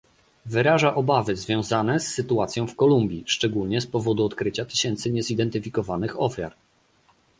wyraża obawy związane z sytuacją w Kolumbii, szczególnie z powodu odkrycia tysięcy niezidentyfikowanych ofiar